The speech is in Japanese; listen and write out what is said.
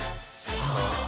「さあ」